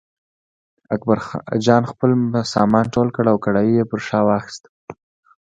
اکبرجان خپل سامان ټول کړ او کړایی یې پر شا واخیست.